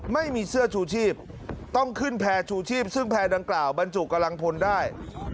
ไม่มีเสื้อชูชีพต้องขึ้นแพรชูชีพซึ่งแพรดังกล่าวบรรจุกำลังพลได้